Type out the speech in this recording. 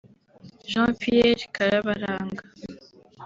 Jean Pierre Karabaranga